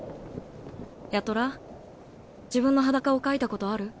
八虎自分の裸を描いたことある？